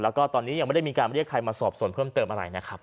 แล้วก็ตอนนี้ยังไม่ได้มีการเรียกใครมาสอบส่วนเพิ่มเติมอะไรนะครับ